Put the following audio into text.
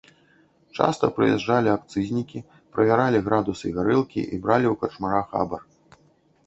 Часта прыязджалі акцызнікі, правяралі градусы гарэлкі і бралі ў карчмара хабар.